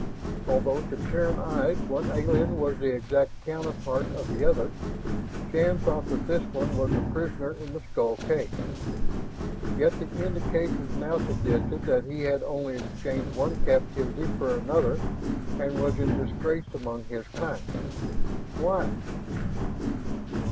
Although to Terran eyes one alien was the exact counterpart of the other, Shann thought that this one was the prisoner in the skull cave. Yet the indications now suggested that he had only changed one captivity for another and was in disgrace among his kind. Why?